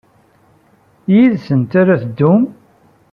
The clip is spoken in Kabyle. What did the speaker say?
Yid-sent ara ad teddum?